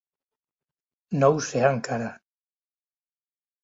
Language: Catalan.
No ho sé, encara.